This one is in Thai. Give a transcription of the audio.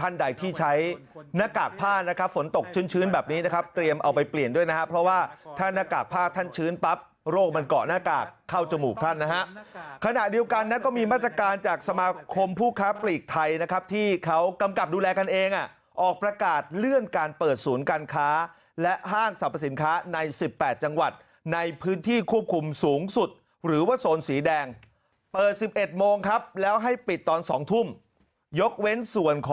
ท่านชื้นปั๊บโรคมันเกาะหน้ากากเข้าจมูกท่านนะฮะขณะเดียวกันก็มีมาตรการจากสมาคมผู้ค้าปลีกไทยนะครับที่เขากำกับดูแลกันเองออกประกาศเลื่อนการเปิดศูนย์การค้าและห้างสรรพสินค้าใน๑๘จังหวัดในพื้นที่ควบคุมสูงสุดหรือว่าโสนสีแดงเปิด๑๑โมงครับแล้วให้ปิดตอน๒ทุ่มยกเว้นส่วนข